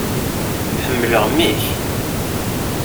Ḥemmleɣ mmi-k.